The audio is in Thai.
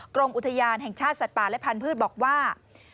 กรมอุทยานแห่งชาติสัตว์ป่าและพันธุ์บอกว่า